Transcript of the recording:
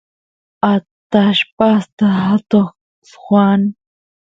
atallpasta atoq swan